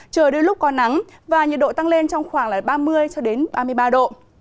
trời đưa lúc có nắng và nhiệt độ tăng lên trong khoảng ba mươi ba mươi ba độ